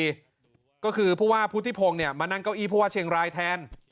ก็คือเฟ็นตรีอีฟก็คือพว่าพุธีพงศ์เนี่ยมานั่งเก้าอีฟพวกเชียงรายแทน